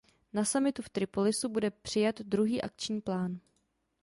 Na summitu v Tripolisu bude přijat druhý akční plán.